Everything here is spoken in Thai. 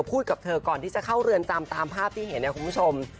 กับเธอก่อนที่จะเข้าเรือนจำตามภาพที่เห็นเนี่ยคุณผู้ชม